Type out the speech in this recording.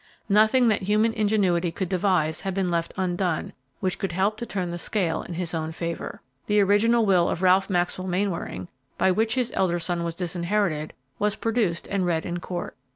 Nothing that human ingenuity could devise had been left undone which could help to turn the scale in his own favor. The original will of Ralph Maxwell Mainwaring, by which his elder son was disinherited, was produced and read in court.